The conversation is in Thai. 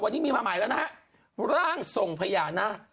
วันนี้มีมาใหม่แล้วนะฮะร่างทรงพญานาค